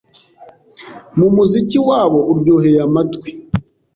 mu muziki wabo uryoheye amatwi.